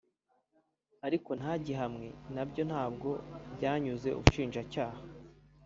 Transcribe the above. ariko ntagihamwe nabyo ntabwo byanyuze Ubushinjacyaha